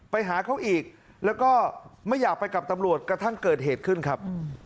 ไปหาเขาอีกแล้วก็ไม่อยากไปกับตำรวจกระทั่งเกิดเหตุขึ้นครับ